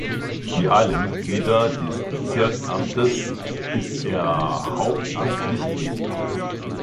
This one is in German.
Wie alle Mitglieder des Bezirksamtes ist er hauptamtlich tätig.